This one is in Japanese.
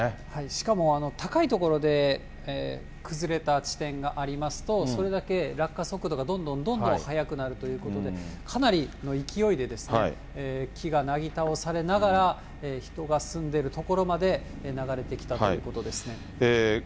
しかも高い所で崩れた地点がありますと、それだけ落下速度がどんどんどんどん速くなるということで、かなりの勢いで、木がなぎ倒されながら、人が住んでる所まで流れてきたということですね。